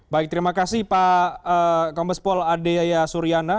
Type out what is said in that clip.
baik terima kasih pak kombespol ade yaya suryana